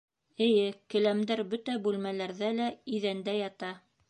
Эйе, келәмдәр бөтә бүлмәләрҙә лә иҙәндә ята